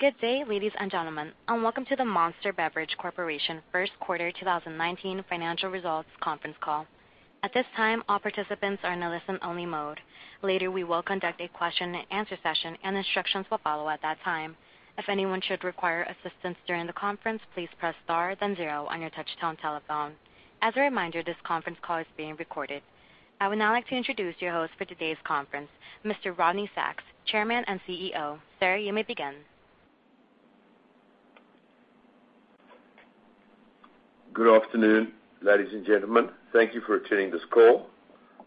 Good day, ladies and gentlemen, and welcome to the Monster Beverage Corporation first quarter 2019 financial results conference call. At this time, all participants are in a listen only mode. Later, we will conduct a question and answer session and instructions will follow at that time. If anyone should require assistance during the conference, please press star then zero on your touchtone telephone. As a reminder, this conference call is being recorded. I would now like to introduce your host for today's conference, Mr. Rodney Sacks, Chairman and CEO. Sir, you may begin. Good afternoon, ladies and gentlemen. Thank you for attending this call.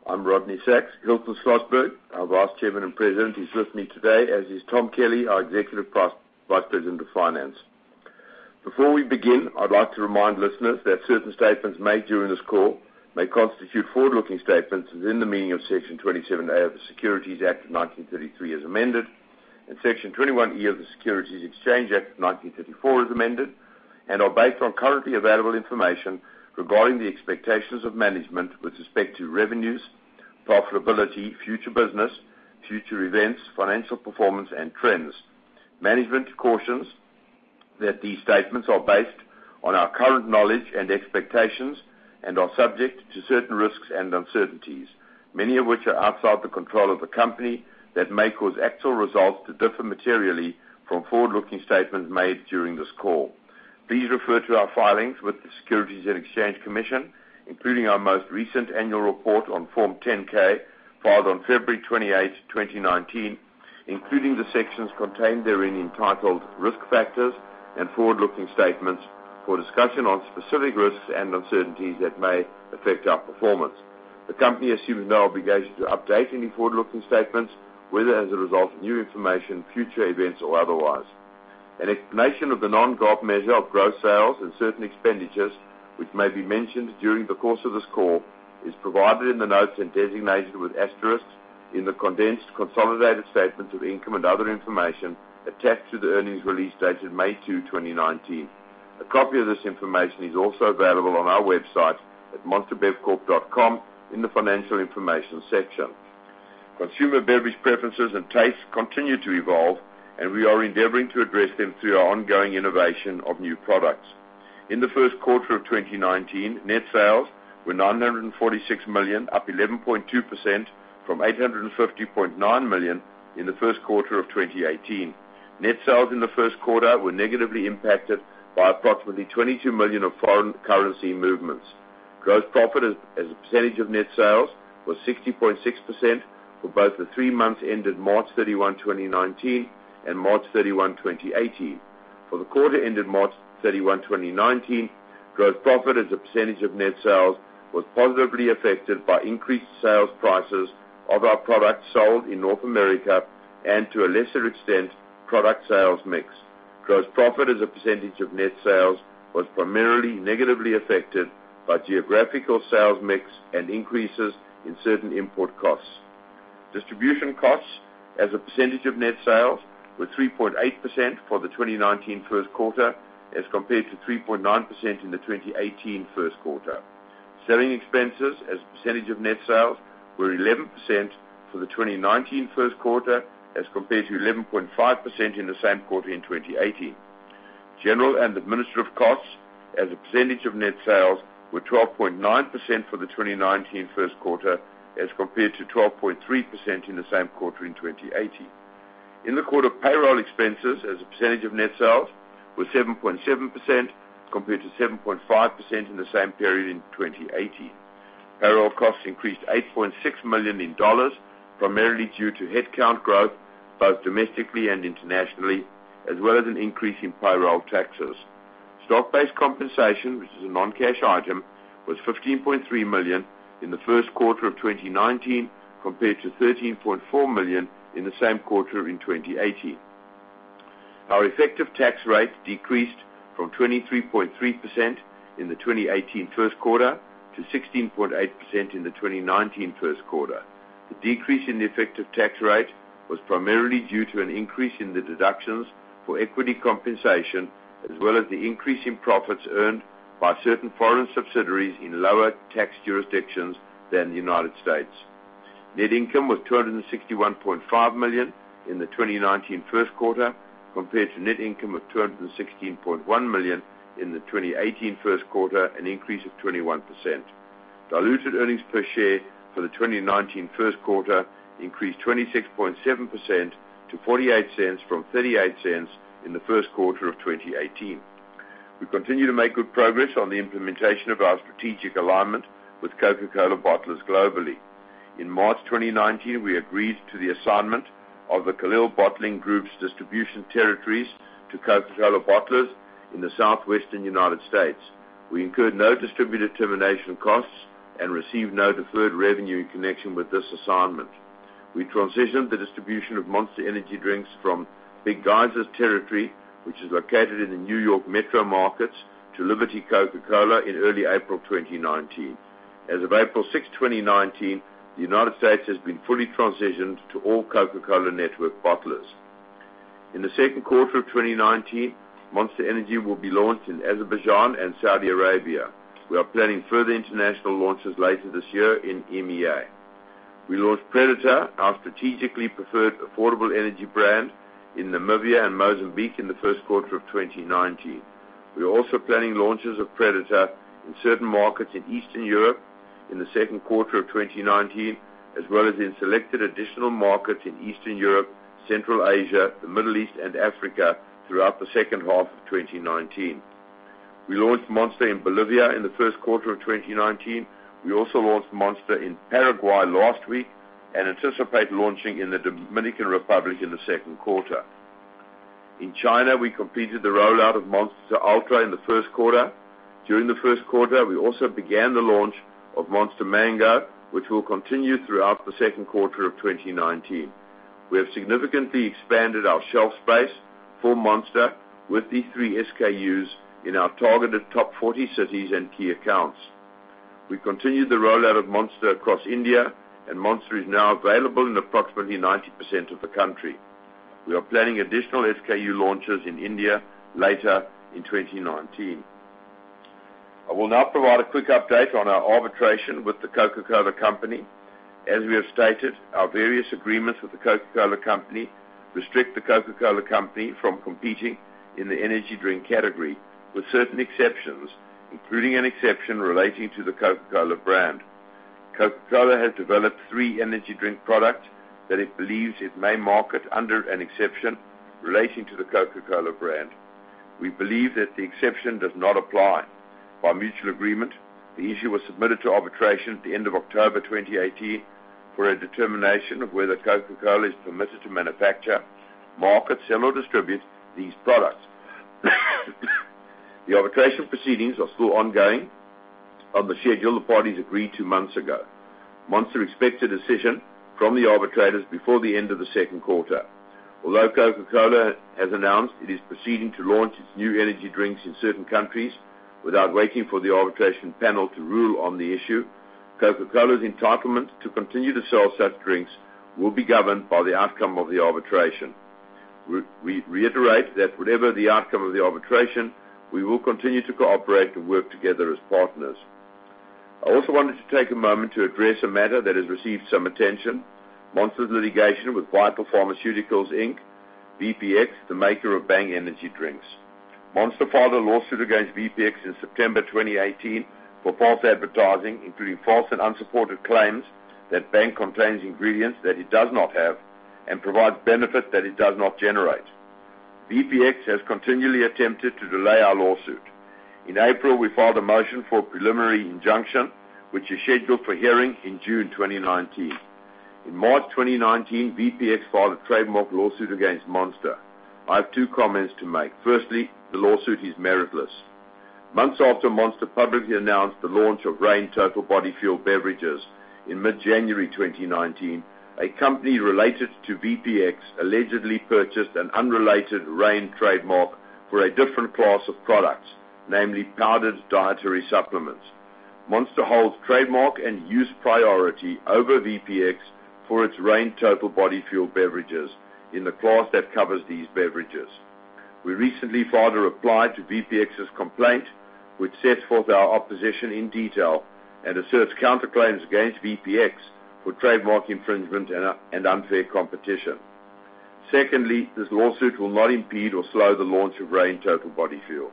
I'm Rodney Sacks. Hilton Schlosberg, our Vice Chairman and President, is with me today, as is Tom Kelly, our Executive Vice President of Finance. Before we begin, I'd like to remind listeners that certain statements made during this call may constitute forward-looking statements within the meaning of Section 27A of the Securities Act of 1933 as amended, and Section 21E of the Securities Exchange Act of 1934 as amended, and are based on currently available information regarding the expectations of management with respect to revenues, profitability, future business, future events, financial performance and trends. Management cautions that these statements are based on our current knowledge and expectations and are subject to certain risks and uncertainties, many of which are outside the control of the company that may cause actual results to differ materially from forward-looking statements made during this call. Please refer to our filings with the Securities and Exchange Commission, including our most recent annual report on Form 10-K filed on February 28th, 2019, including the sections contained therein, entitled Risk Factors and Forward-Looking Statements for discussion on specific risks and uncertainties that may affect our performance. The company assumes no obligation to update any forward-looking statements, whether as a result of new information, future events or otherwise. An explanation of the non-GAAP measure of gross sales and certain expenditures, which may be mentioned during the course of this call, is provided in the notes and designated with asterisks in the condensed consolidated statements of income and other information attached to the earnings release dated May 2nd, 2019. A copy of this information is also available on our website at monsterbevcorp.com in the financial information section. Consumer beverage preferences and tastes continue to evolve, and we are endeavoring to address them through our ongoing innovation of new products. In the first quarter of 2019, net sales were $946 million, up 11.2% from $850.9 million in the first quarter of 2018. Net sales in the first quarter were negatively impacted by approximately $22 million of foreign currency movements. Gross profit as a percentage of net sales was 60.6% for both the three months ended March 31st, 2019, and March 31st, 2018. For the quarter ended March 31st, 2019, gross profit as a percentage of net sales was positively affected by increased sales prices of our products sold in North America, and to a lesser extent, product sales mix. Gross profit as a percentage of net sales was primarily negatively affected by geographical sales mix and increases in certain import costs. Distribution costs as a percentage of net sales were 3.8% for the 2019 first quarter as compared to 3.9% in the 2018 first quarter. Selling expenses as a percentage of net sales were 11% for the 2019 first quarter as compared to 11.5% in the same quarter in 2018. General and administrative costs as a percentage of net sales were 12.9% for the 2019 first quarter as compared to 12.3% in the same quarter in 2018. In the quarter, payroll expenses as a percentage of net sales were 7.7% compared to 7.5% in the same period in 2018. Payroll costs increased $8.6 million primarily due to headcount growth both domestically and internationally, as well as an increase in payroll taxes. Stock-based compensation, which is a non-cash item, was $15.3 million in the first quarter of 2019 compared to $13.4 million in the same quarter in 2018. Our effective tax rate decreased from 23.3% in the 2018 first quarter to 16.8% in the 2019 first quarter. The decrease in the effective tax rate was primarily due to an increase in the deductions for equity compensation, as well as the increase in profits earned by certain foreign subsidiaries in lower tax jurisdictions than the U.S. Net income was $261.5 million in the 2019 first quarter compared to net income of $216.1 million in the 2018 first quarter, an increase of 21%. Diluted earnings per share for the 2019 first quarter increased 26.7% to $0.48 from $0.38 in the first quarter of 2018. We continue to make good progress on the implementation of our strategic alignment with Coca-Cola bottlers globally. In March 2019, we agreed to the assignment of the Kalil Bottling Group's distribution territories to Coca-Cola bottlers in the Southwestern U.S. We incurred no distributor termination costs and received no deferred revenue in connection with this assignment. We transitioned the distribution of Monster Energy drinks from Big Geyser's territory, which is located in the New York metro markets, to Liberty Coca-Cola in early April 2019. As of April 6th, 2019, the U.S. has been fully transitioned to all Coca-Cola network bottlers. In the second quarter of 2019, Monster Energy will be launched in Azerbaijan and Saudi Arabia. We are planning further international launches later this year in EMEA. We launched Predator, our strategically preferred affordable energy brand, in Namibia and Mozambique in the first quarter of 2019. We are also planning launches of Predator in certain markets in Eastern Europe in the second quarter of 2019, as well as in selected additional markets in Eastern Europe, Central Asia, the Middle East, and Africa throughout the second half of 2019. We launched Monster in Bolivia in the first quarter of 2019. We also launched Monster in Paraguay last week and anticipate launching in the Dominican Republic in the second quarter. In China, we completed the rollout of Monster Ultra in the first quarter. During the first quarter, we also began the launch of Monster Mango, which will continue throughout the second quarter of 2019. We have significantly expanded our shelf space for Monster with these three SKUs in our targeted top 40 cities and key accounts. We continued the rollout of Monster across India, and Monster is now available in approximately 90% of the country. We are planning additional SKU launches in India later in 2019. I will now provide a quick update on our arbitration with The Coca-Cola Company. As we have stated, our various agreements with The Coca-Cola Company restrict The Coca-Cola Company from competing in the energy drink category with certain exceptions, including an exception relating to the Coca-Cola brand. Coca-Cola has developed three energy drink products that it believes it may market under an exception relating to the Coca-Cola brand. We believe that the exception does not apply. By mutual agreement, the issue was submitted to arbitration at the end of October 2018 for a determination of whether Coca-Cola is permitted to manufacture, market, sell, or distribute these products. The arbitration proceedings are still ongoing on the schedule the parties agreed to months ago. Monster expects a decision from the arbitrators before the end of the second quarter. Although Coca-Cola has announced it is proceeding to launch its new energy drinks in certain countries without waiting for the arbitration panel to rule on the issue, Coca-Cola's entitlement to continue to sell such drinks will be governed by the outcome of the arbitration. We reiterate that whatever the outcome of the arbitration, we will continue to cooperate and work together as partners. I also wanted to take a moment to address a matter that has received some attention, Monster's litigation with Vital Pharmaceuticals Inc, VPX, the maker of Bang energy drinks. Monster filed a lawsuit against VPX in September 2018 for false advertising, including false and unsupported claims that Bang contains ingredients that it does not have and provides benefits that it does not generate. VPX has continually attempted to delay our lawsuit. In April, we filed a motion for a preliminary injunction, which is scheduled for hearing in June 2019. In March 2019, VPX filed a trademark lawsuit against Monster. I have two comments to make. Firstly, the lawsuit is meritless. Months after Monster publicly announced the launch of REIGN Total Body Fuel beverages in mid-January 2019, a company related to VPX allegedly purchased an unrelated REIGN trademark for a different class of products, namely powdered dietary supplements. Monster holds trademark and use priority over VPX for its REIGN Total Body Fuel beverages in the class that covers these beverages. We recently filed a reply to VPX's complaint, which sets forth our opposition in detail and asserts counterclaims against VPX for trademark infringement and unfair competition. Secondly, this lawsuit will not impede or slow the launch of REIGN Total Body Fuel.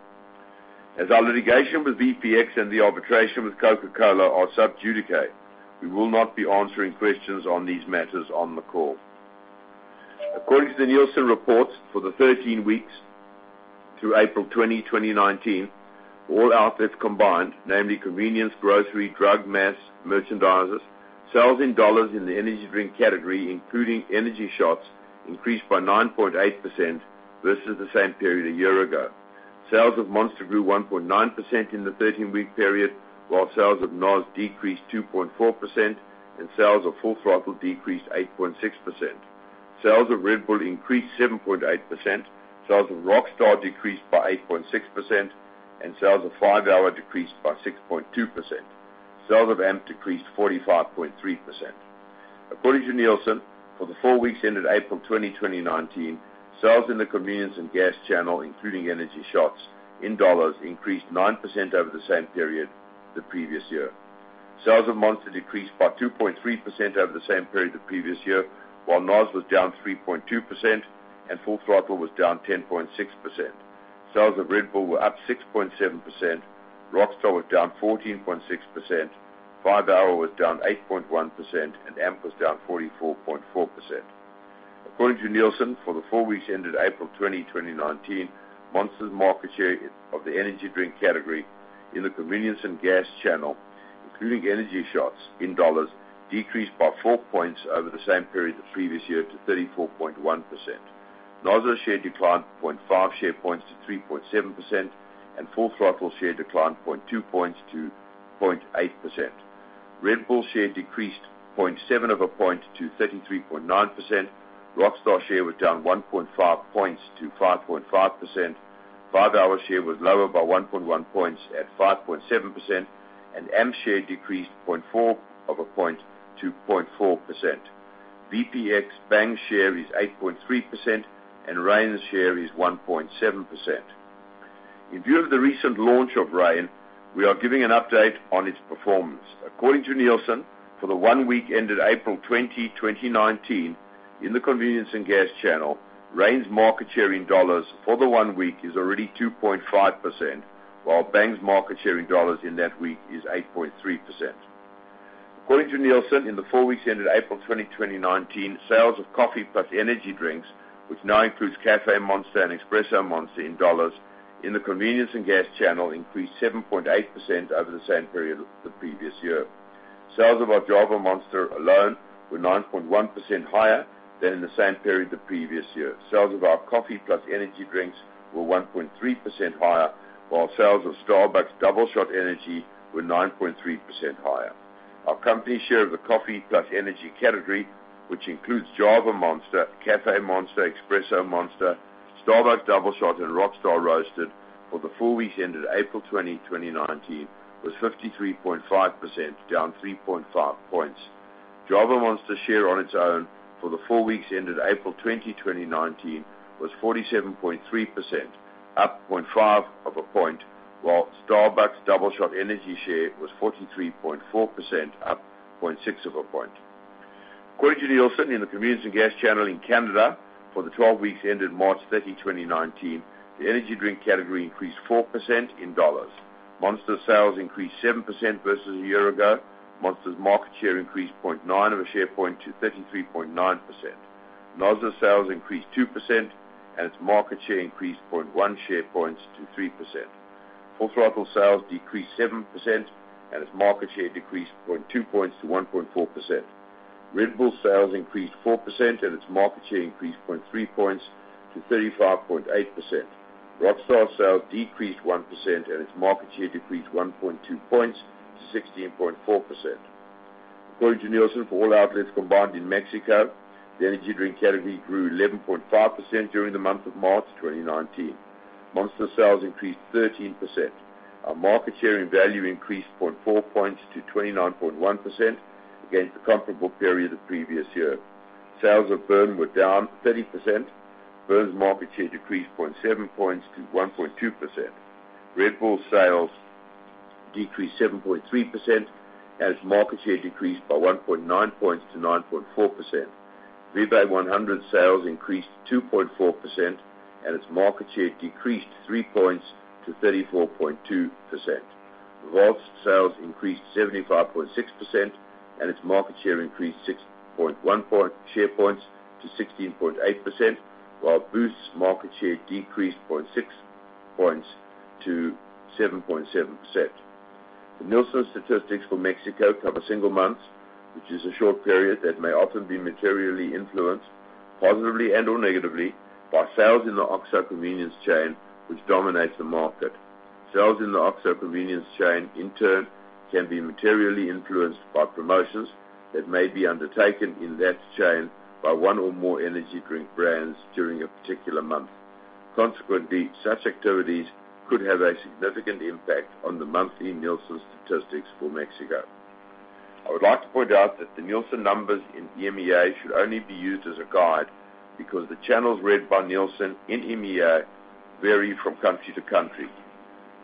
As our litigation with VPX and the arbitration with Coca-Cola are sub judice, we will not be answering questions on these matters on the call. According to the Nielsen reports, for the 13 weeks to April 20, 2019, all outlets combined, namely convenience, grocery, drug, mass merchandisers, sales in dollars in the energy drink category, including energy shots, increased by 9.8% versus the same period a year ago. Sales of Monster grew 1.9% in the 13-week period, while sales of NOS decreased 2.4% and sales of Full Throttle decreased 8.6%. Sales of Red Bull increased 7.8%, sales of Rockstar decreased by 8.6%, and sales of 5-hour decreased by 6.2%. Sales of AMP decreased 45.3%. According to Nielsen, for the 4 weeks ended April 20, 2019, sales in the convenience and gas channel, including energy shots in dollars, increased 9% over the same period the previous year. Sales of Monster decreased by 2.3% over the same period the previous year, while NOS was down 3.2% and Full Throttle was down 10.6%. Sales of Red Bull were up 6.7%, Rockstar was down 14.6%, 5-hour was down 8.1%, and AMP was down 44.4%. According to Nielsen, for the 4 weeks ended April 20, 2019, Monster's market share of the energy drink category in the convenience and gas channel, including energy shots in dollars, decreased by four points over the same period the previous year to 34.1%. NOS's share declined 0.5 share points to 3.7%, and Full Throttle share declined 0.2 points to 0.8%. Red Bull share decreased 0.7 of a point to 33.9%, Rockstar share was down 1.5 points to 5.5%. 5-hour share was lower by 1.1 points at 5.7%, and AMP share decreased 0.4 of a point to 0.4%. VPX Bang share is 8.3%, and Reign's share is 1.7%. In view of the recent launch of Reign, we are giving an update on its performance. According to Nielsen, for the one week ended April 20, 2019, in the convenience and gas channel, Reign's market share in dollars for the one week is already 2.5%, while Bang's market share in dollars in that week is 8.3%. According to Nielsen, in the 4 weeks ended April 20, 2019, sales of coffee plus energy drinks, which now includes Caffé Monster and Espresso Monster in dollars, in the convenience and gas channel increased 7.8% over the same period the previous year. Sales of our Java Monster alone were 9.1% higher than in the same period the previous year. Sales of our coffee plus energy drinks were 1.3% higher, while sales of Starbucks Doubleshot Energy were 9.3% higher. Our company share the Coffee plus Energy category, which includes Java Monster, Caffé Monster, Espresso Monster, Starbucks Doubleshot, and Rockstar Roasted for the 4 weeks ended April 20, 2019, was 53.5%, down 3.5 points. Java Monster share on its own for the 4 weeks ended April 20, 2019, was 47.3%, up 0.5 of a point, while Starbucks Doubleshot Energy share was 43.4% up 0.6 of a point. According to Nielsen, in the convenience and gas channel in Canada, for the 12 weeks ended March 30, 2019, the energy drink category increased 4% in dollars. Monster sales increased 7% versus a year ago. Monster's market share increased 0.9 of a share point to 33.9%. NOS sales increased 2% and its market share increased 0.1 share points to 3%. Full Throttle sales decreased 7% and its market share decreased 0.2 points to 1.4%. Red Bull sales increased 4% and its market share increased 0.3 points to 35.8%. Rockstar sales decreased 1% and its market share decreased 1.2 points to 16.4%. According to Nielsen, for all outlets combined in Mexico, the energy drink category grew 11.5% during the month of March 2019. Monster sales increased 13%. Our market share in value increased 0.4 points to 29.1% against the comparable period the previous year. Sales of Burn were down 30%. Burn's market share decreased 0.7 points to 1.2%. Red Bull sales decreased 7.3% and its market share decreased by 1.9 points to 9.4%. Vive 100 sales increased 2.4% and its market share decreased three points to 34.2%. Revolt sales increased 75.6% and its market share increased 6.1 share points to 16.8%, while Boost market share decreased 0.6 points to 7.7%. The Nielsen statistics for Mexico cover single months, which is a short period that may often be materially influenced positively and/or negatively by sales in the OXXO convenience chain, which dominates the market. Sales in the OXXO convenience chain, in turn, can be materially influenced by promotions that may be undertaken in that chain by one or more energy drink brands during a particular month. Consequently, such activities could have a significant impact on the monthly Nielsen statistics for Mexico. I would like to point out that the Nielsen numbers in EMEA should only be used as a guide because the channels read by Nielsen in EMEA vary from country to country.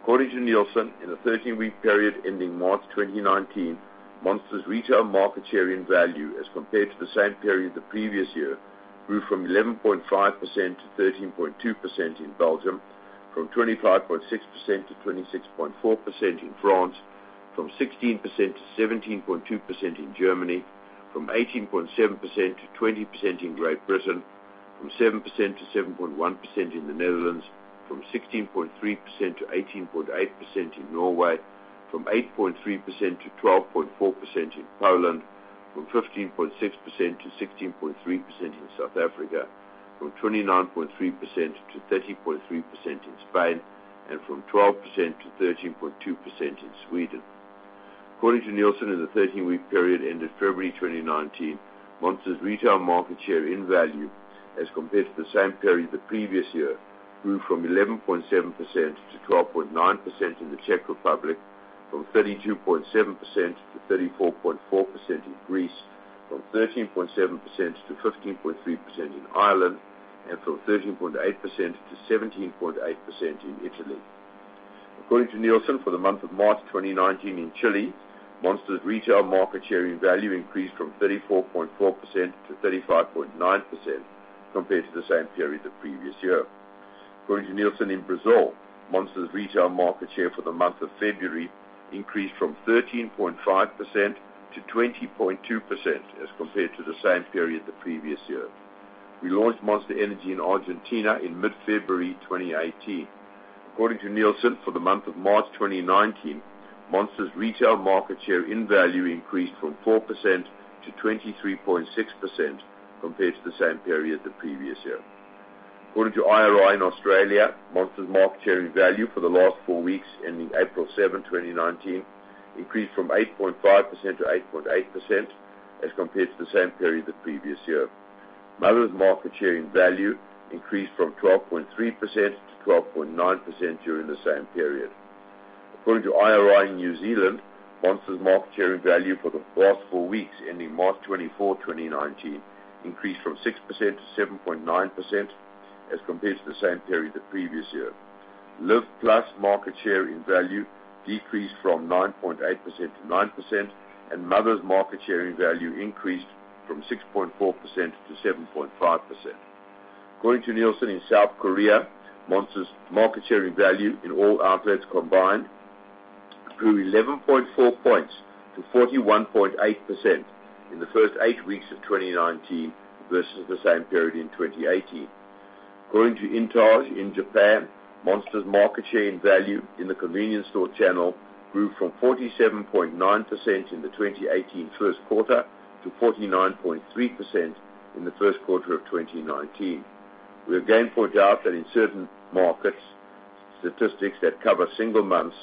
According to Nielsen, in the 13-week period ending March 2019, Monster's retail market share in value as compared to the same period the previous year grew from 11.5% to 13.2% in Belgium, from 25.6% to 26.4% in France, from 16% to 17.2% in Germany, from 18.7% to 20% in Great Britain, from 7% to 7.1% in the Netherlands, from 16.3% to 18.8% in Norway, from 8.3% to 12.4% in Poland, from 15.6% to 16.3% in South Africa, from 29.3% to 30.3% in Spain, and from 12% to 13.2% in Sweden. According to Nielsen, in the 13-week period ended February 2019, Monster's retail market share in value as compared to the same period the previous year grew from 11.7% to 12.9% in the Czech Republic, from 32.7% to 34.4% in Greece, from 13.7% to 15.3% in Ireland, and from 13.8% to 17.8% in Italy. According to Nielsen, for the month of March 2019 in Chile, Monster retail market share in value increased from 34.4% to 35.9% compared to the same period the previous year. According to Nielsen in Brazil, Monster's retail market share for the month of February increased from 13.5% to 20.2% as compared to the same period the previous year. We launched Monster Energy in Argentina in mid-February 2018. According to Nielsen, for the month of March 2019, Monster's retail market share in value increased from 4% to 23.6% compared to the same period the previous year. According to IRI in Australia, Monster's market share in value for the last four weeks ending April 7, 2019, increased from 8.5% to 8.8% as compared to the same period the previous year. Mother's market share in value increased from 12.3% to 12.9% during the same period. According to IRI New Zealand, Monster's market share in value for the last four weeks ending March 24, 2019, increased from 6% to 7.9% as compared to the same period the previous year. LIVE+ market share in value decreased from 9.8% to 9%, and Mother's market share in value increased from 6.4% to 7.5%. According to Nielsen in South Korea, Monster's market share in value in all outlets combined grew 11.4 points to 41.8% in the first eight weeks of 2019 versus the same period in 2018. According to INTAGE in Japan, Monster's market share in value in the convenience store channel grew from 47.9% in the 2018 first quarter to 49.3% in the first quarter of 2019. We again point out that in certain markets, statistics that cover single months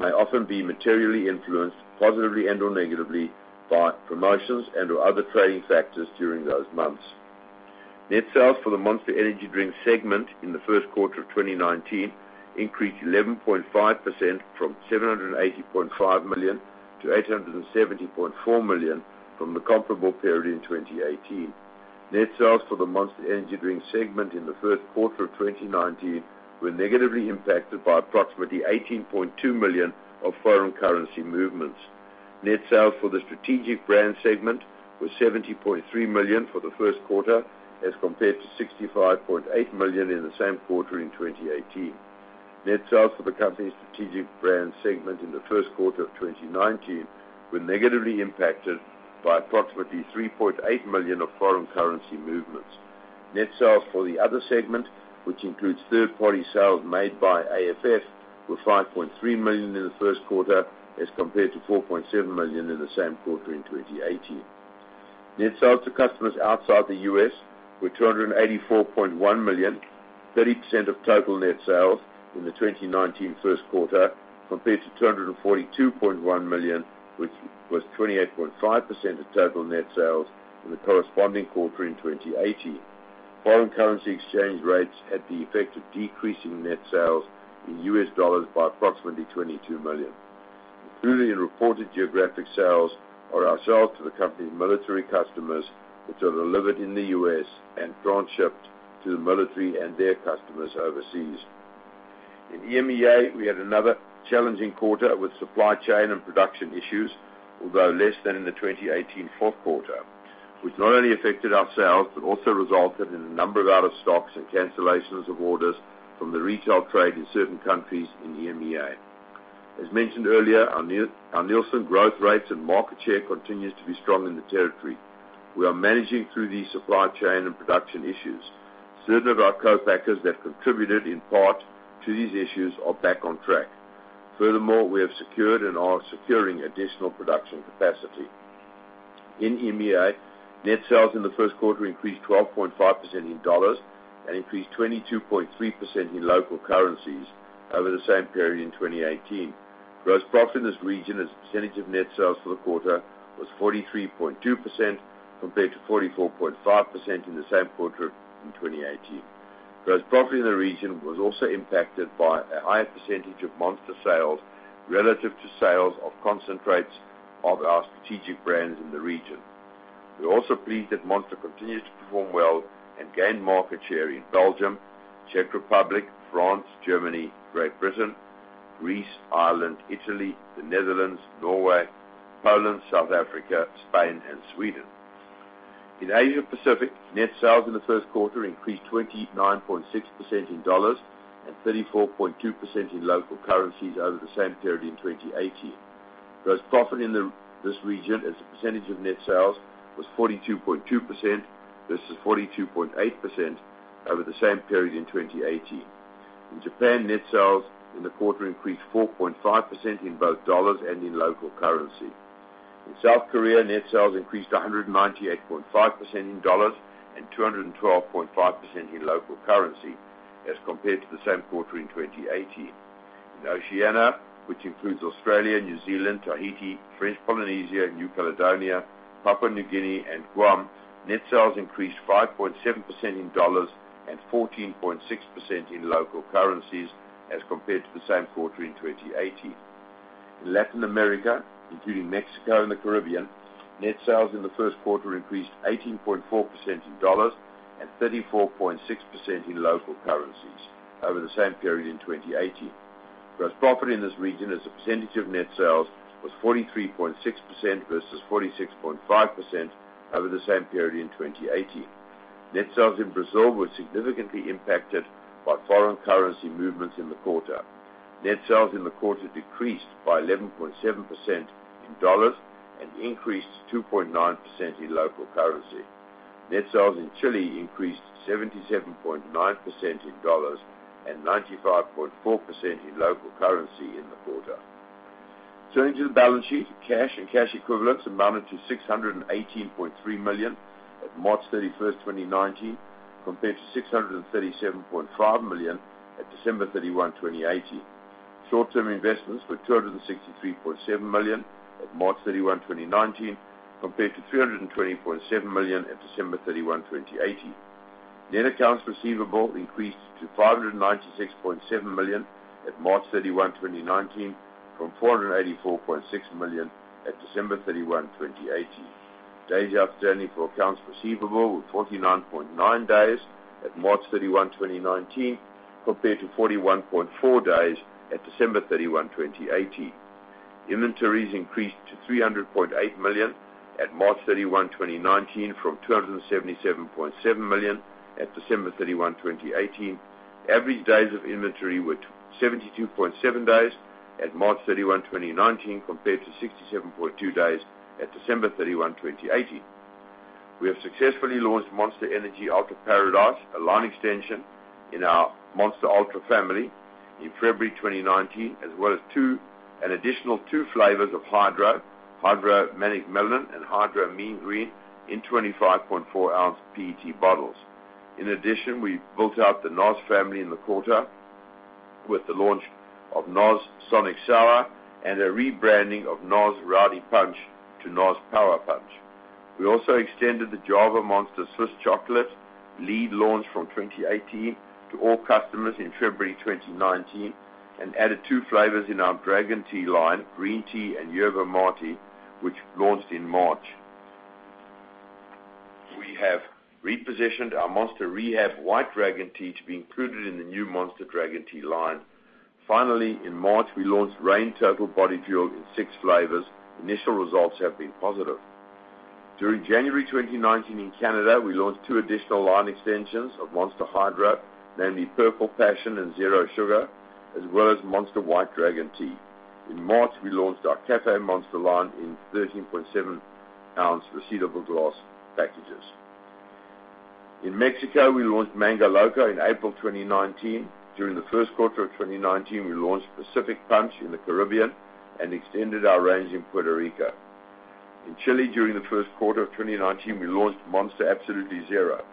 may often be materially influenced positively and/or negatively by promotions and/or other trading factors during those months. Net sales for the Monster Energy Drinks segment in the first quarter of 2019 increased 11.5% from $780.5 million to $870.4 million from the comparable period in 2018. Net sales for the Monster Energy Drinks segment in the first quarter of 2019 were negatively impacted by approximately $18.2 million of foreign currency movements. Net sales for the Strategic Brands segment were $70.3 million for the first quarter as compared to $65.8 million in the same quarter in 2018. Net sales for the company's Strategic Brands segment in the first quarter of 2019 were negatively impacted by approximately $3.8 million of foreign currency movements. Net sales for the other segment, which includes third-party sales made by AFF, were $5.3 million in the first quarter as compared to $4.7 million in the same quarter in 2018. Net sales to customers outside the U.S. were $284.1 million, 30% of total net sales in the 2019 first quarter, compared to $242.1 million, which was 28.5% of total net sales in the corresponding quarter in 2018. Foreign currency exchange rates had the effect of decreasing net sales in U.S. dollars by approximately $22 million. Included in reported geographic sales are our sales to the company's military customers, which are delivered in the U.S. and transshipped to the military and their customers overseas. In EMEA, we had another challenging quarter with supply chain and production issues, although less than in the 2018 fourth quarter, which not only affected our sales but also resulted in a number of out of stocks and cancellations of orders from the retail trade in certain countries in EMEA. As mentioned earlier, our Nielsen growth rates and market share continues to be strong in the territory. We are managing through these supply chain and production issues. Certain of our co-packers that contributed in part to these issues are back on track. Furthermore, we have secured and are securing additional production capacity. In EMEA, net sales in the first quarter increased 12.5% in dollars and increased 22.3% in local currencies over the same period in 2018. Gross profit in this region as a percentage of net sales for the quarter was 43.2%, compared to 44.5% in the same quarter in 2018. Gross profit in the region was also impacted by a higher percentage of Monster sales relative to sales of concentrates of our strategic brands in the region. We're also pleased that Monster continues to perform well and gain market share in Belgium, Czech Republic, France, Germany, Great Britain, Greece, Ireland, Italy, the Netherlands, Norway, Poland, South Africa, Spain, and Sweden. In Asia Pacific, net sales in the first quarter increased 29.6% in $ and 34.2% in local currencies over the same period in 2018. Gross profit in this region as a percentage of net sales was 42.2% versus 42.8% over the same period in 2018. In Japan, net sales in the quarter increased 4.5% in both $ and in local currency. In South Korea, net sales increased 198.5% in $ and 212.5% in local currency as compared to the same quarter in 2018. In Oceania, which includes Australia, New Zealand, Tahiti, French Polynesia, New Caledonia, Papua New Guinea, and Guam, net sales increased 5.7% in $ and 14.6% in local currencies as compared to the same quarter in 2018. In Latin America, including Mexico and the Caribbean, net sales in the first quarter increased 18.4% in $ and 34.6% in local currencies over the same period in 2018. Gross profit in this region as a percentage of net sales was 43.6% versus 46.5% over the same period in 2018. Net sales in Brazil were significantly impacted by foreign currency movements in the quarter. Net sales in the quarter decreased by 11.7% in $ and increased 2.9% in local currency. Net sales in Chile increased 77.9% in $ and 95.4% in local currency in the quarter. Turning to the balance sheet, cash and cash equivalents amounted to $618.3 million at March 31, 2019, compared to $637.5 million at December 31, 2018. Short-term investments were $263.7 million at March 31, 2019, compared to $320.7 million at December 31, 2018. Net accounts receivable increased to $596.7 million at March 31, 2019, from $484.6 million at December 31, 2018. Days outstanding for accounts receivable were 49.9 days at March 31, 2019, compared to 41.4 days at December 31, 2018. Inventories increased to $300.8 million at March 31, 2019, from $277.7 million at December 31, 2018. Average days of inventory were 72.7 days at March 31, 2019, compared to 67.2 days at December 31, 2018. We have successfully launched Monster Energy Ultra Paradise, a line extension in our Monster Ultra family in February 2019, as well as an additional two flavors of Hydro, Manic Melon and Hydro Mean Green in 25.4-ounce PET bottles. In addition, we built out the NOS family in the quarter with the launch of NOS Sonic Sour and a rebranding of NOS Rowdy Punch to NOS Power Punch. We also extended the Java Monster Swiss Chocolate lead launch from 2018 to all customers in February 2019 and added two flavors in our Dragon Tea line, green tea and yerba mate, which launched in March. We have repositioned our Monster Rehab White Dragon Tea to be included in the new Monster Dragon Tea line. Finally, in March, we launched REIGN Total Body Fuel in six flavors. Initial results have been positive. During January 2019 in Canada, we launched two additional line extensions of Monster Hydro, namely Purple Passion and Zero Sugar, as well as Monster White Dragon Tea. In March, we launched our Caffe Monster line in 13.7-ounce recyclable glass packages. In Mexico, we launched Mango Loco in April 2019. During the first quarter of 2019, we launched Pacific Punch in the Caribbean and extended our range in Puerto Rico. In Chile, during the first quarter of 2019, we launched Monster Absolutely Zero.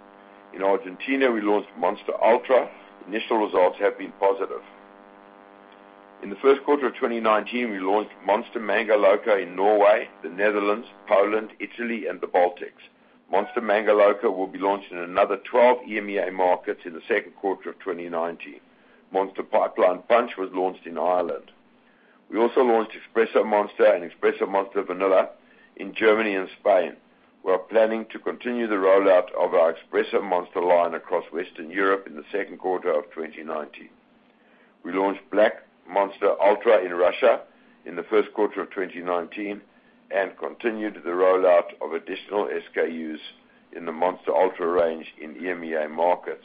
In Argentina, we launched Monster Ultra. Initial results have been positive. In the first quarter of 2019, we launched Monster Mango Loco in Norway, the Netherlands, Poland, Italy, and the Baltics. Monster Mango Loco will be launched in another 12 EMEA markets in the second quarter of 2019. Monster Pipeline Punch was launched in Ireland. We also launched Espresso Monster and Espresso Monster Vanilla in Germany and Spain. We are planning to continue the rollout of our Espresso Monster line across Western Europe in the second quarter of 2019. We launched Black Monster Ultra in Russia in the first quarter of 2019 and continued the rollout of additional SKUs in the Monster Ultra range in EMEA markets,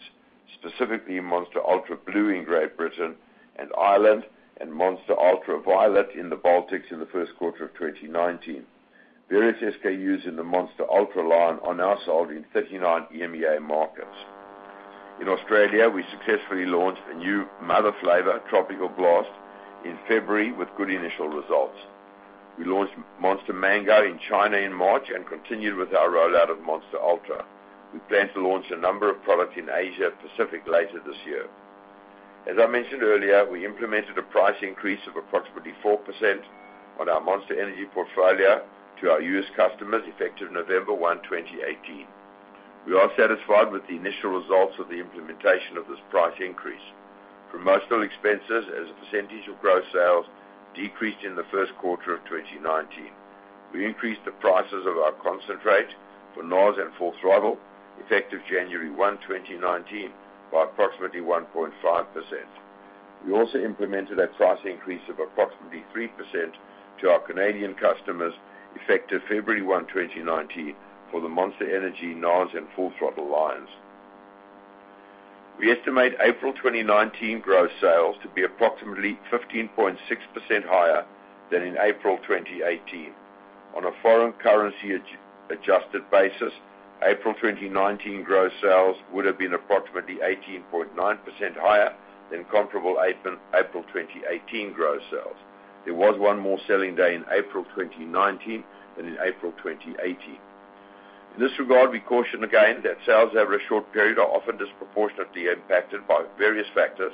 specifically Monster Ultra Blue in Great Britain and Ireland and Monster Ultra Violet in the Baltics in the first quarter of 2019. Various SKUs in the Monster Ultra line are now sold in 39 EMEA markets. In Australia, we successfully launched a new Mother flavor, Tropical Blast in February with good initial results. We launched Monster Mango in China in March and continued with our rollout of Monster Ultra. We plan to launch a number of products in Asia Pacific later this year. As I mentioned earlier, we implemented a price increase of approximately 4% on our Monster Energy portfolio to our U.S. customers effective November 1, 2018. We are satisfied with the initial results of the implementation of this price increase. Promotional expenses as a percentage of gross sales decreased in the first quarter of 2019. We increased the prices of our concentrate for NOS and Full Throttle effective January 1, 2019, by approximately 1.5%. We also implemented a price increase of approximately 3% to our Canadian customers effective February 1, 2019, for the Monster Energy, NOS, and Full Throttle lines. We estimate April 2019 gross sales to be approximately 15.6% higher than in April 2018. On a foreign currency-adjusted basis, April 2019 gross sales would have been approximately 18.9% higher than comparable April 2018 gross sales. There was one more selling day in April 2019 than in April 2018. In this regard, we caution again that sales over a short period are often disproportionately impacted by various factors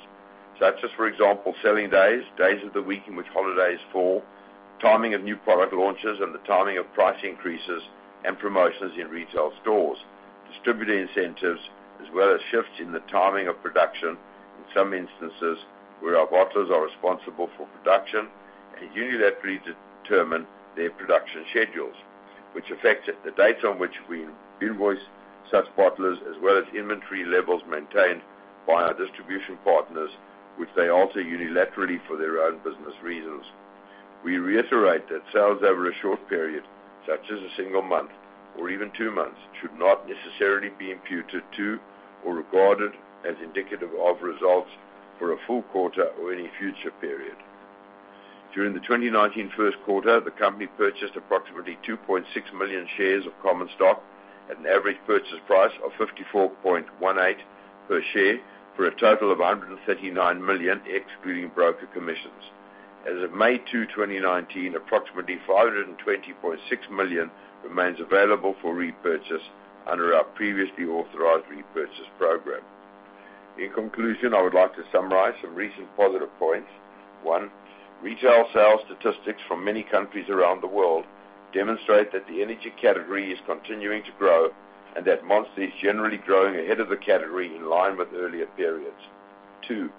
such as, for example, selling days of the week in which holidays fall, timing of new product launches, and the timing of price increases and promotions in retail stores, distributor incentives, as well as shifts in the timing of production in some instances where our bottlers are responsible for production and unilaterally determine their production schedules, which affect the dates on which we invoice such bottlers, as well as inventory levels maintained by our distribution partners, which they alter unilaterally for their own business reasons. We reiterate that sales over a short period, such as a single month or even two months, should not necessarily be imputed to or regarded as indicative of results for a full quarter or any future period. During the 2019 first quarter, the company purchased approximately 2.6 million shares of common stock at an average purchase price of $54.18 per share for a total of $139 million, excluding broker commissions. As of May 2, 2019, approximately $520.6 million remains available for repurchase under our previously authorized repurchase program. In conclusion, I would like to summarize some recent positive points. One, retail sales statistics from many countries around the world demonstrate that the energy category is continuing to grow, and that Monster is generally growing ahead of the category in line with earlier periods. Two,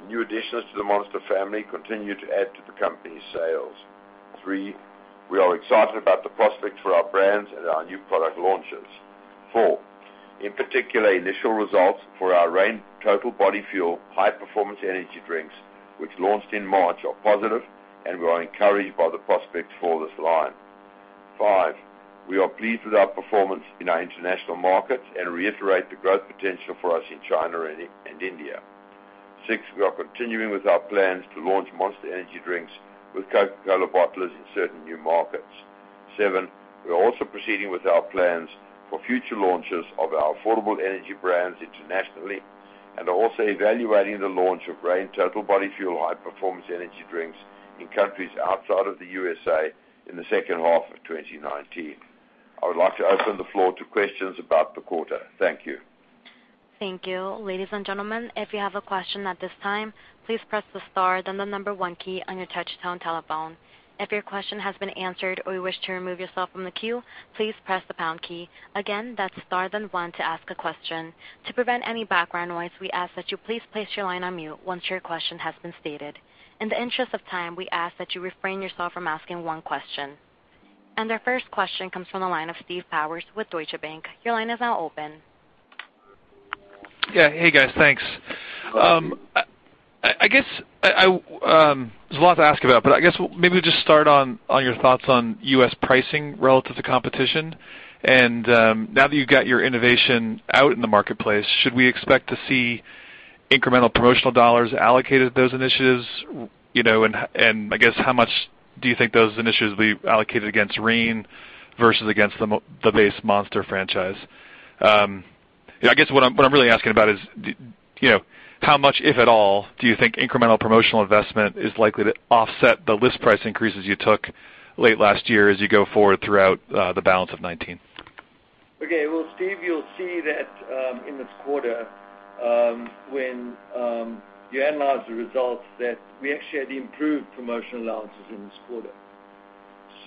the new additions to the Monster family continue to add to the company's sales. We are excited about the prospects for our brands and our new product launches. In particular, initial results for our REIGN Total Body Fuel high-performance energy drinks, which launched in March, are positive, and we are encouraged by the prospects for this line. We are pleased with our performance in our international markets and reiterate the growth potential for us in China and India. We are continuing with our plans to launch Monster Energy drinks with Coca-Cola bottlers in certain new markets. We are also proceeding with our plans for future launches of our affordable energy brands internationally, and are also evaluating the launch of REIGN Total Body Fuel high-performance energy drinks in countries outside of the U.S.A. in the second half of 2019. I would like to open the floor to questions about the quarter. Thank you. Thank you. Ladies and gentlemen, if you have a question at this time, please press the star then the number one key on your touch-tone telephone. If your question has been answered or you wish to remove yourself from the queue, please press the pound key. Again, that's star then one to ask a question. To prevent any background noise, we ask that you please place your line on mute once your question has been stated. In the interest of time, we ask that you refrain yourself from asking more than one question. Our first question comes from the line of Steve Powers with Deutsche Bank. Your line is now open. Yeah. Hey, guys. Thanks. There's a lot to ask about, but I guess maybe just start on your thoughts on U.S. pricing relative to competition. Now that you've got your innovation out in the marketplace, should we expect to see incremental promotional dollars allocated to those initiatives? I guess how much do you think those initiatives will be allocated against REIGN versus against the base Monster franchise? I guess what I'm really asking about is how much, if at all, do you think incremental promotional investment is likely to offset the list price increases you took late last year as you go forward throughout the balance of 2019? Okay. Well, Steve, you'll see that in this quarter, when you analyze the results, that we actually had improved promotional allowances in this quarter.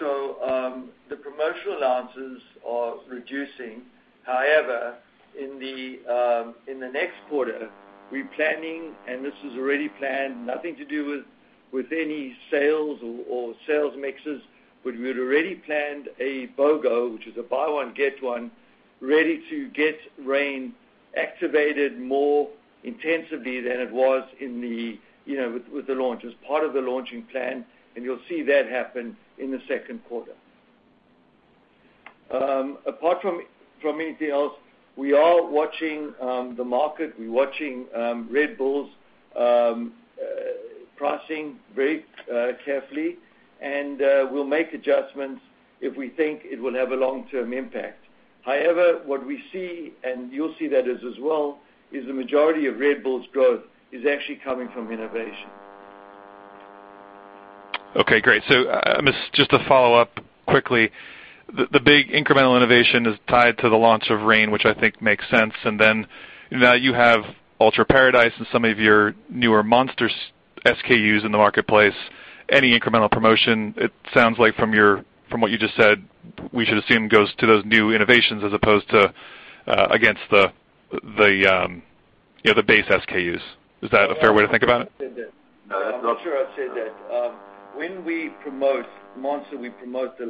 The promotional allowances are reducing. However, in the next quarter, we're planning, and this was already planned, nothing to do with any sales or sales mixes, but we had already planned a BOGO, which is a buy one, get one, ready to get REIGN activated more intensively than it was with the launch. It was part of the launching plan, and you'll see that happen in the second quarter. Apart from anything else, we are watching the market. We're watching Red Bull's pricing very carefully, and we'll make adjustments if we think it will have a long-term impact. However, what we see, and you'll see that as well, is the majority of Red Bull's growth is actually coming from innovation. Just to follow up quickly, the big incremental innovation is tied to the launch of REIGN, which I think makes sense. Now you have Ultra Paradise and some of your newer Monster SKUs in the marketplace. Any incremental promotion, it sounds like from what you just said, we should assume goes to those new innovations as opposed to against the base SKUs. Is that a fair way to think about it? I'm not sure I said that. When we promote Monster, we promote the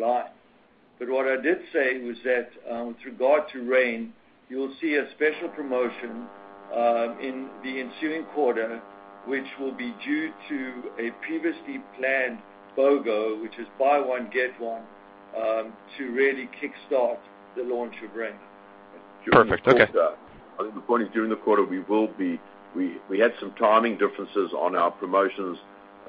line. What I did say was that, with regard to REIGN, you'll see a special promotion in the ensuing quarter, which will be due to a previously planned BOGO, which is buy one, get one, to really kickstart the launch of REIGN. Perfect. Okay. I think the point is, during the quarter, we had some timing differences on our promotions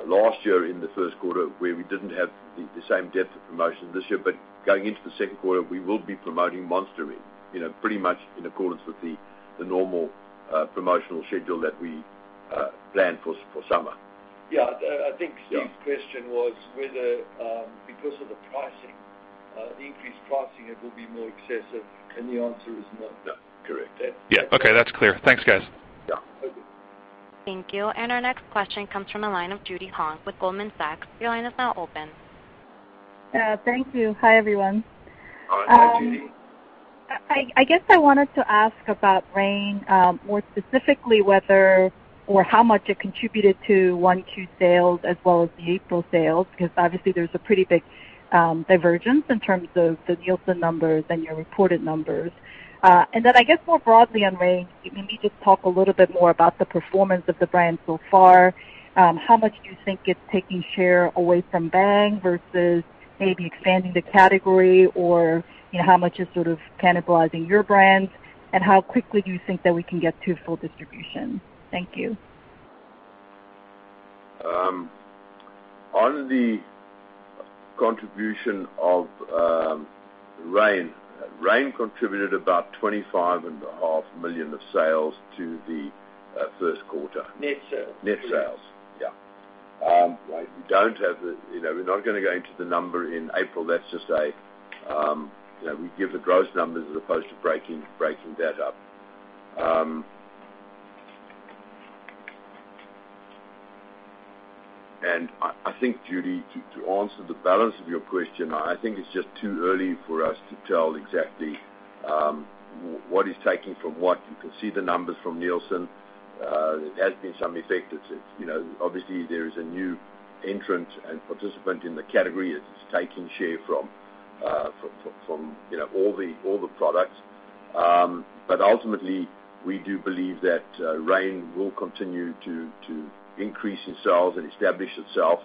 last year in the first quarter, where we didn't have the same depth of promotions this year. Going into the second quarter, we will be promoting Monster pretty much in accordance with the normal promotional schedule that we planned for summer. Yeah. I think Steve's question was whether, because of the increased pricing, it will be more excessive, and the answer is not. No. Correct. Yeah. Okay. That's clear. Thanks, guys. Yeah. Okay. Thank you. Our next question comes from the line of Judy Hong with Goldman Sachs. Your line is now open. Thank you. Hi, everyone. Hi, Judy. I guess I wanted to ask about REIGN, more specifically, whether or how much it contributed to 1Q sales as well as the April sales, because obviously there's a pretty big divergence in terms of the Nielsen numbers and your reported numbers. Then I guess more broadly on REIGN, maybe just talk a little bit more about the performance of the brand so far. How much do you think it's taking share away from Bang versus maybe expanding the category or how much is sort of cannibalizing your brands? How quickly do you think that we can get to full distribution? Thank you. On the contribution of Reign. Reign contributed about $25 and a half million of sales to the first quarter. Net sales. Net sales. We're not going to go into the number in April. Let's just say, we give the gross numbers as opposed to breaking that up. I think, Judy, to answer the balance of your question, I think it's just too early for us to tell exactly what is taking from what. You can see the numbers from Nielsen. There has been some effect. Obviously, there is a new entrant and participant in the category, it is taking share from all the products. Ultimately, we do believe that Reign will continue to increase in sales and establish itself.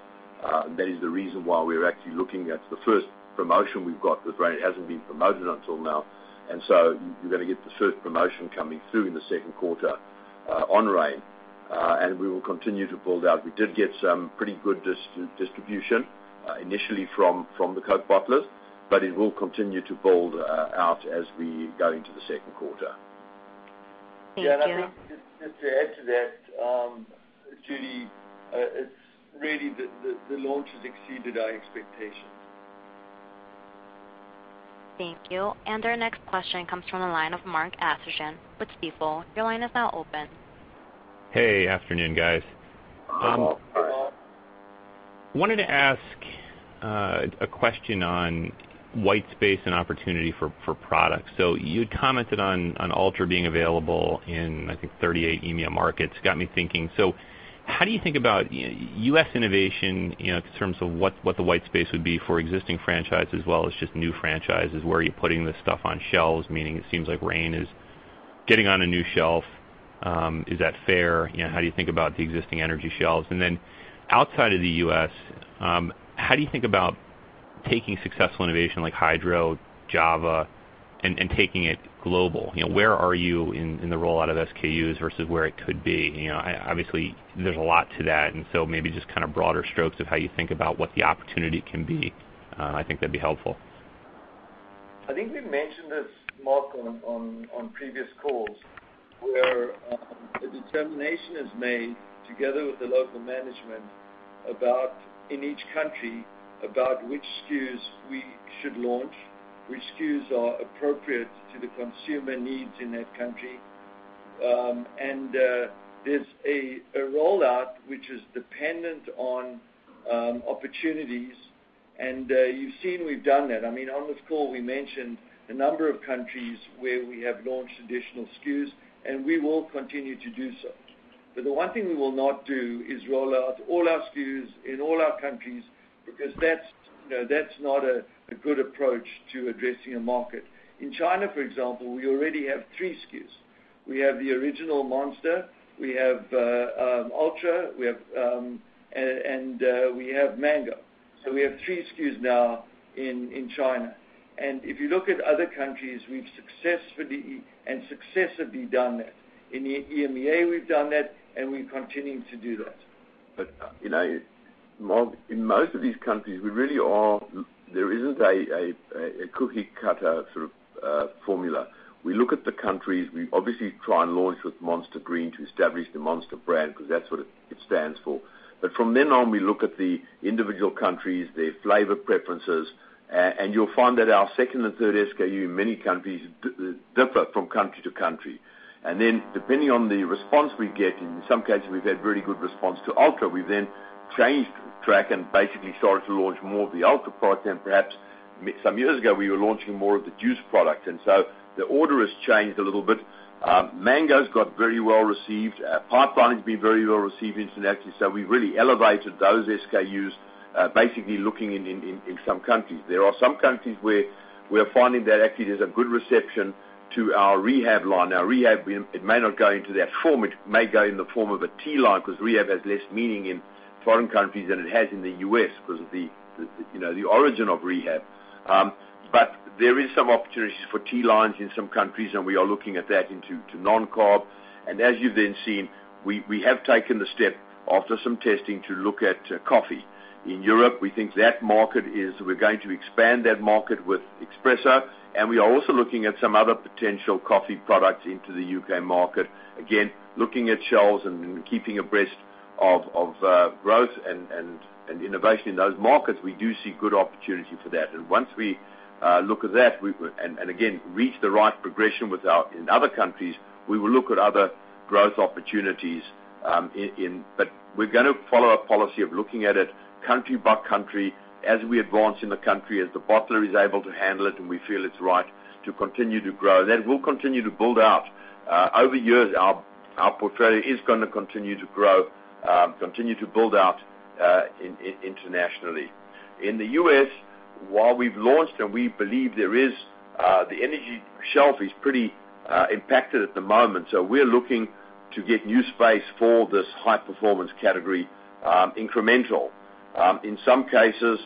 That is the reason why we're actually looking at the first promotion we've got with Reign. It hasn't been promoted until now, you're going to get the first promotion coming through in the second quarter on Reign. We will continue to build out. We did get some pretty good distribution initially from the Coke bottlers, it will continue to build out as we go into the second quarter. Thank you. I think just to add to that, Judy, really, the launch has exceeded our expectations. Thank you. Our next question comes from the line of Mark Astrachan with Stifel. Your line is now open. Hey, afternoon, guys. Mark. Wanted to ask a question on white space and opportunity for products. You had commented on Ultra being available in, I think, 38 EMEA markets. Got me thinking. How do you think about U.S. innovation in terms of what the white space would be for existing franchises as well as just new franchises? Where are you putting this stuff on shelves? Meaning, it seems like Reign is getting on a new shelf. Is that fair? How do you think about the existing energy shelves? Outside of the U.S., how do you think about taking successful innovation like Hydro, Java, and taking it global? Where are you in the rollout of SKUs versus where it could be? Obviously, there's a lot to that. Maybe just broader strokes of how you think about what the opportunity can be. I think that'd be helpful. I think we've mentioned this, Mark, on previous calls, where the determination is made together with the local management, in each country, about which SKUs we should launch, which SKUs are appropriate to the consumer needs in that country. There's a rollout which is dependent on opportunities, and you've seen we've done that. On this call, we mentioned a number of countries where we have launched additional SKUs, and we will continue to do so. The one thing we will not do is roll out all our SKUs in all our countries, because that's not a good approach to addressing a market. In China, for example, we already have three SKUs. We have the original Monster, we have Ultra, and we have Mango. We have three SKUs now in China. If you look at other countries, we've successfully and successively done that. In the EMEA, we've done that, and we're continuing to do that. In most of these countries, there isn't a cookie cutter sort of formula. We look at the countries. We obviously try and launch with Monster Green to establish the Monster brand, because that's what it stands for. From then on, we look at the individual countries, their flavor preferences. You'll find that our second and third SKU in many countries differ from country to country. Then depending on the response we get, in some cases, we've had very good response to Ultra. We've then changed track and basically started to launch more of the Ultra product than perhaps some years ago, we were launching more of the juice product. The order has changed a little bit. Mango's got very well received. Pipeline's been very well received internationally. We've really elevated those SKUs, basically looking in some countries. There are some countries where we're finding that actually there's a good reception to our Rehab line. Now, Rehab, it may not go into that form. It may go in the form of a tea line because Rehab has less meaning in foreign countries than it has in the U.S. because of the origin of Rehab. There is some opportunities for tea lines in some countries, and we are looking at that into non-carb. As you've then seen, we have taken the step after some testing to look at coffee. In Europe, we think that market is We're going to expand that market with Espresso, and we are also looking at some other potential coffee products into the U.K. market. Again, looking at shelves and keeping abreast of growth and innovation in those markets, we do see good opportunity for that. Once we look at that, and again, reach the right progression in other countries, we will look at other growth opportunities. We're going to follow a policy of looking at it country by country as we advance in the country, as the bottler is able to handle it, and we feel it's right to continue to grow. We'll continue to build out. Over years, our portfolio is going to continue to grow, continue to build out internationally. In the U.S., while we've launched and we believe the energy shelf is pretty impacted at the moment. We're looking to get new space for this high performance category incremental. In some cases,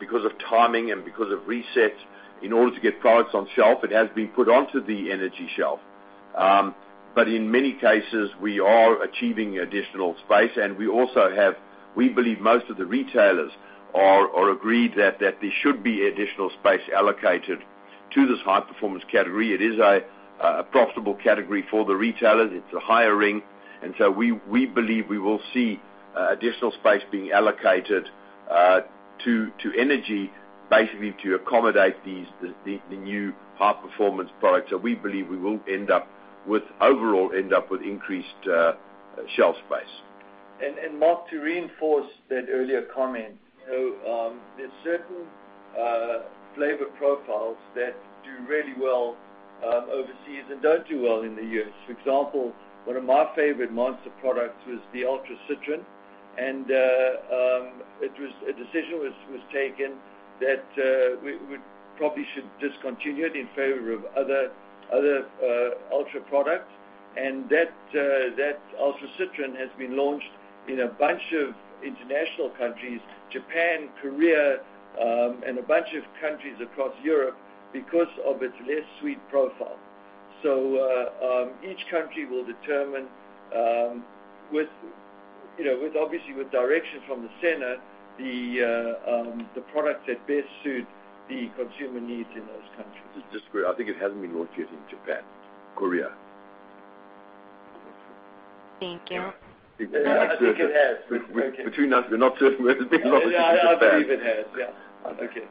Because of timing and because of resets, in order to get products on shelf, it has been put onto the energy shelf. In many cases, we are achieving additional space, and we believe most of the retailers are agreed that there should be additional space allocated to this high-performance category. It is a profitable category for the retailers. It's a higher ring. We believe we will see additional space being allocated to energy, basically to accommodate the new high-performance products. We believe we will overall end up with increased shelf space. Mark, to reinforce that earlier comment, there's certain flavor profiles that do really well overseas and don't do well in the U.S. For example, one of my favorite Monster products was the Ultra Citron. A decision was taken that we probably should discontinue it in favor of other Ultra products. That Ultra Citron has been launched in a bunch of international countries, Japan, Korea, and a bunch of countries across Europe because of its less sweet profile. Each country will determine, obviously with direction from the center, the products that best suit the consumer needs in those countries. Just to be clear, I think it hasn't been launched yet in Japan. Korea. Thank you. I think it has. Between us, we're not certain whether it's been launched in Japan. I believe it has, yeah. Okay.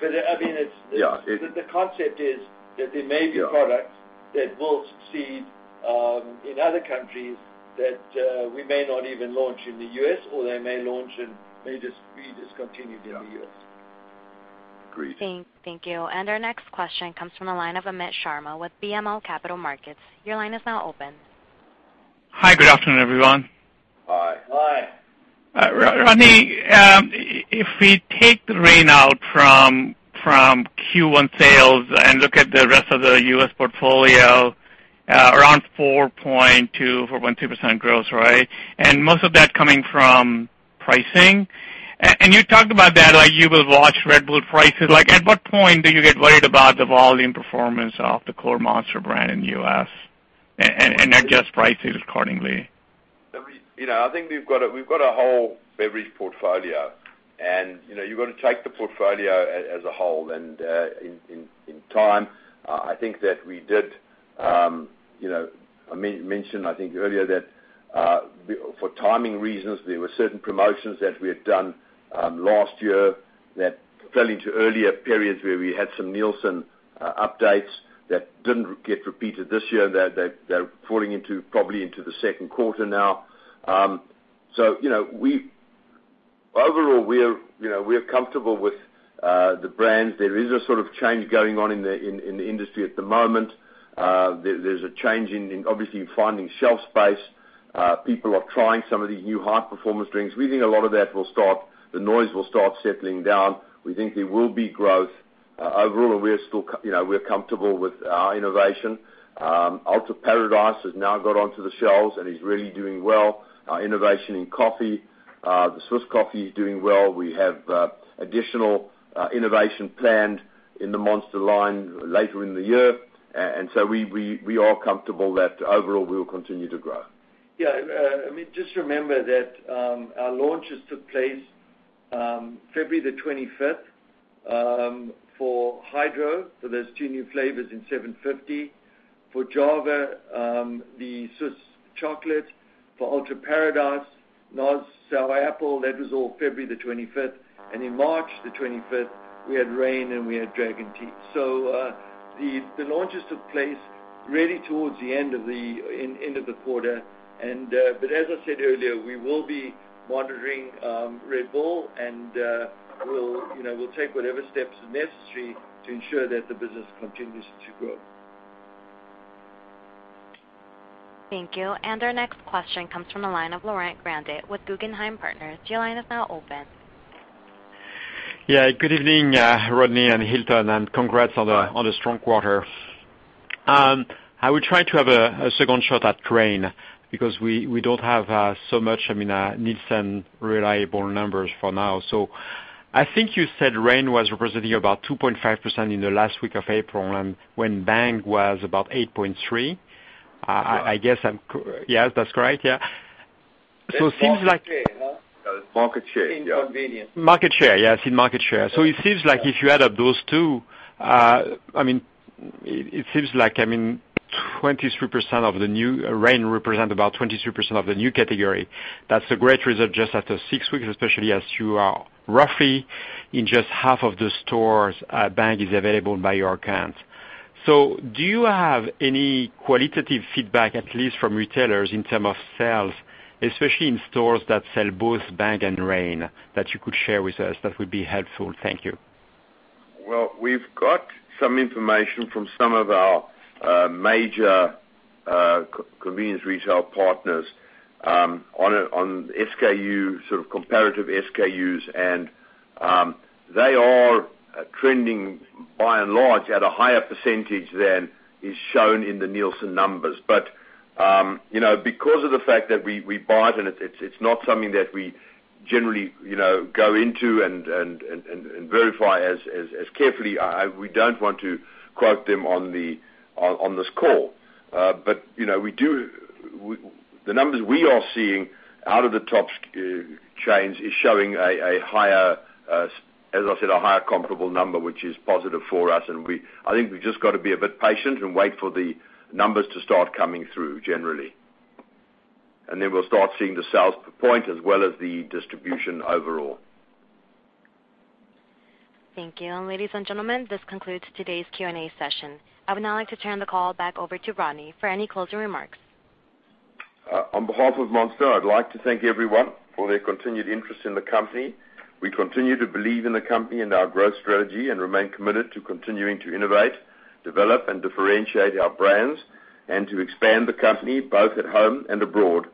I mean, the concept is that there may be products that will succeed in other countries that we may not even launch in the U.S., or they may launch and may be discontinued in the U.S. Agreed. Thank you. Our next question comes from the line of Amit Sharma with BMO Capital Markets. Your line is now open. Hi. Good afternoon, everyone. Hi. Hi. Rodney, if we take the Reign out from Q1 sales and look at the rest of the U.S. portfolio, around 4.2%, 4.3% growth, right? Most of that coming from pricing. You talked about that, you will watch Red Bull prices. At what point do you get worried about the volume performance of the core Monster brand in the U.S. and adjust prices accordingly? I think we've got a whole beverage portfolio, and you've got to take the portfolio as a whole. In time, I think that we did mention, I think earlier, that for timing reasons, there were certain promotions that we had done last year that fell into earlier periods where we had some Nielsen updates that didn't get repeated this year. They're falling probably into the second quarter now. Overall, we're comfortable with the brands. There is a sort of change going on in the industry at the moment. There's a change, obviously, in finding shelf space. People are trying some of these new high-performance drinks. We think a lot of that will start the noise will start settling down. We think there will be growth. Overall, we're comfortable with our innovation. Ultra Paradise has now got onto the shelves and is really doing well. Our innovation in coffee, the Swiss coffee, is doing well. We have additional innovation planned in the Monster line later in the year. We are comfortable that overall we will continue to grow. Yeah. I mean, just remember that our launches took place February 25th for Hydro. There's two new flavors in 750. For Java, the Swiss Chocolate. For Ultra Paradise, NOS Sonic Sour. That was all February 25th. In March 25th, we had Reign and we had Dragon Tea. The launches took place really towards the end of the quarter. As I said earlier, we will be monitoring Red Bull, and we'll take whatever steps are necessary to ensure that the business continues to grow. Thank you. Our next question comes from the line of Laurent Grandet with Guggenheim Partners. Your line is now open. Yeah. Good evening, Rodney and Hilton, congrats on the strong quarter. I will try to have a second shot at Reign because we don't have so much Nielsen reliable numbers for now. I think you said Reign was representing about 2.5% in the last week of April, and when Bang was about 8.3%. Correct. Yes, that's correct? Yeah. That's market share. Market share. In convenience. Market share. Yes, in market share. It seems like if you add up those two, it seems like Reign represent about 23% of the new category. That's a great result just after six weeks, especially as you are roughly in just half of the stores Bang is available by your account. Do you have any qualitative feedback, at least from retailers in terms of sales, especially in stores that sell both Bang and Reign, that you could share with us? That would be helpful. Thank you. We've got some information from some of our major convenience retail partners on SKU, sort of comparative SKUs, they are trending by and large at a higher percentage than is shown in the Nielsen numbers. Because of the fact that we buy it and it's not something that we generally go into and verify as carefully, we don't want to quote them on this call. The numbers we are seeing out of the top chains is showing, as I said, a higher comparable number, which is positive for us. I think we've just got to be a bit patient and wait for the numbers to start coming through generally. Then we'll start seeing the sales per point as well as the distribution overall. Thank you. Ladies and gentlemen, this concludes today's Q&A session. I would now like to turn the call back over to Rodney for any closing remarks. On behalf of Monster, I'd like to thank everyone for their continued interest in the company. We continue to believe in the company and our growth strategy, and remain committed to continuing to innovate, develop, and differentiate our brands, and to expand the company both at home and abroad.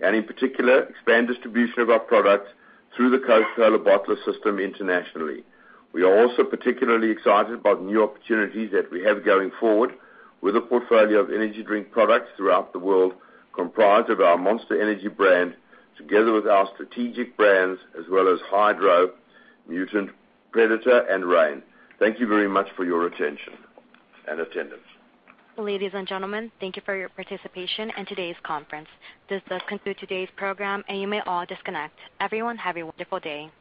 In particular, expand distribution of our products through the Coca-Cola bottler system internationally. We are also particularly excited about new opportunities that we have going forward with a portfolio of energy drink products throughout the world, comprised of our Monster Energy brand, together with our Strategic Brands, as well as Hydro, Mutant, Predator, and Reign. Thank you very much for your attention and attendance. Ladies and gentlemen, thank you for your participation in today's conference. This does conclude today's program, and you may all disconnect. Everyone, have a wonderful day.